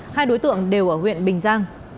hai đối tượng đều ở huyện bình giang